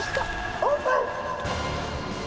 オープン！